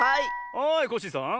はいコッシーさん。